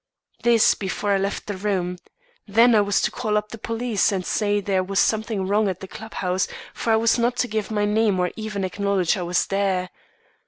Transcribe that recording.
This, before I left the room. Then I was to call up the police and say there was something wrong at the club house, but I was not to give my name or ever acknowledge I was there.